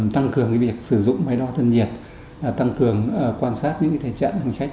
tăng cường việc sử dụng máy đo thân nhiệt tăng cường quan sát những thể trạng hành khách